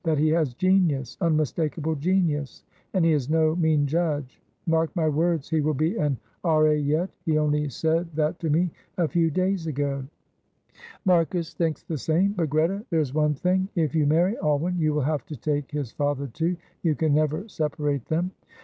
that he has genius, unmistakable genius, and he is no mean judge. 'Mark my words, he will be an R.A. yet;' he only said that to me a few days ago." "Marcus thinks the same; but, Greta, there is one thing: if you marry Alwyn, you will have to take his father too; you can never separate them."